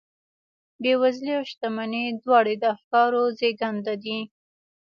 بېوزلي او شتمني دواړې د افکارو زېږنده دي.